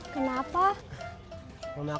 nunggunya lebih lama lagi